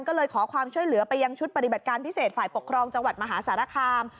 ก็เลยขอความช่วยเหลือไปยังชุดปฏิบัติการพิเศษฝ่ายปกครองจังหวัดมหาสารคาม